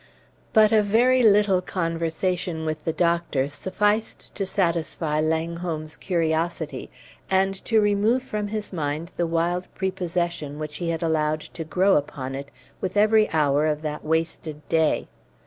But a very little conversation with the doctor sufficed to satisfy Langholm's curiosity, and to remove from his mind the wild prepossession which he had allowed to grow upon it with every hour of that wasted day.